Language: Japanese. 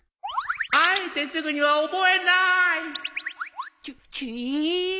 あえてすぐには覚えないチュッチュイ？